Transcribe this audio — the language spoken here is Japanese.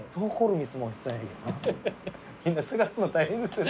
みんな探すの大変ですね。